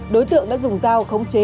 đối tượng đã dùng dao khống chế